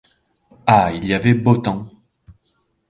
Ah ! il y avait beau temps !